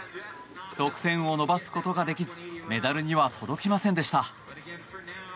得点を伸ばすことができずメダルには届きませんでした。